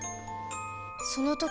その時